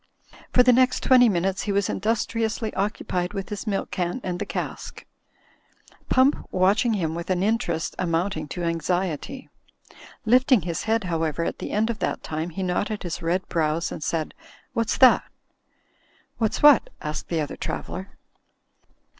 For the next twenty minutes he was industriously occupied with his milk can and the cask; Pump watch ing him with an interest amounting to anxiety. Lift ing his head, however, at the end of that time, he knotted his red brows and said, 'What's that?" 'What's what?" asked the other traveller.